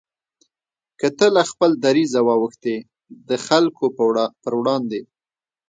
که ته له خپل دریځه واوښتې د خلکو پر وړاندې